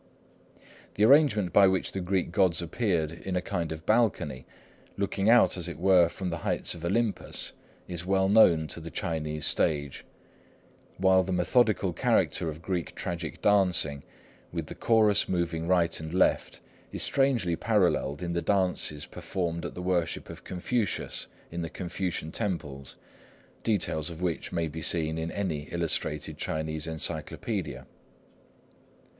The arrangement by which the Greek gods appeared in a kind of balcony, looking out as it were from the heights of Olympus, is well known to the Chinese stage; while the methodical character of Greek tragic dancing, with the chorus moving right and left, is strangely paralleled in the dances performed at the worship of Confucius in the Confucian temples, details of which may be seen in any illustrated Chinese encyclopædia.